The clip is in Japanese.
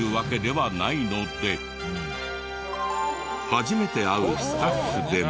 初めて会うスタッフでも。